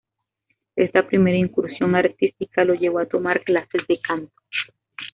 Esta primera incursión artística lo llevó a tomar clases de canto.